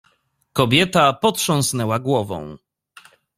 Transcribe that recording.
"Kobieta potrząsnęła głową."